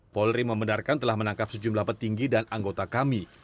polri membenarkan telah menangkap sejumlah petinggi dan anggota kami